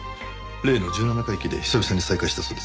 例の十七回忌で久々に再会したそうです。